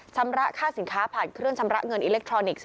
ชำระค่าสินค้าผ่านเครื่องชำระเงินอิเล็กทรอนิกส์